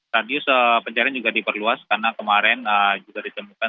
radius pencarian juga diperluas karena kemarin juga ditemukan